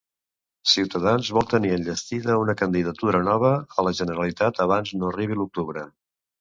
Ciutadans vol tenir enllestida una candidatura nova a la Generalitat abans no arribi l'octubre.